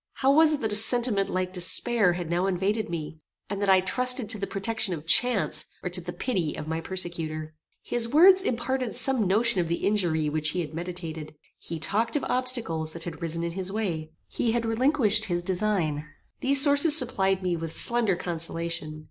How was it that a sentiment like despair had now invaded me, and that I trusted to the protection of chance, or to the pity of my persecutor? His words imparted some notion of the injury which he had meditated. He talked of obstacles that had risen in his way. He had relinquished his design. These sources supplied me with slender consolation.